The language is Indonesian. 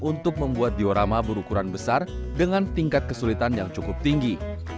untuk membuat diorama berukuran besar dengan tingkat kesulitan yang cukup tinggi